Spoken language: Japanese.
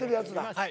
はい。